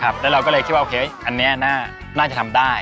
แล้วเราก็เลยคิดว่าโอเคอันนี้น่าจะทำได้